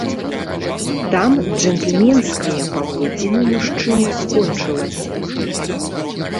Там джэнтльменская паводзіны мужчыны скончылася.